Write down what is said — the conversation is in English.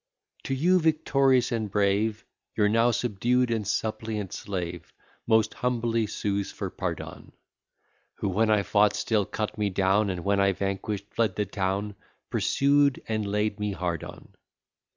To you, victorious and brave, Your now subdued and suppliant slave Most humbly sues for pardon; Who when I fought still cut me down, And when I vanquish'd, fled the town Pursued and laid me hard on.